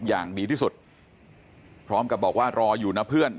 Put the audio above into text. อย่างดีที่สุดพร้อมกับบอกว่ารออยู่นะเพื่อน